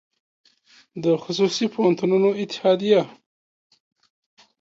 د خصوصي پوهنتونونو اتحادیه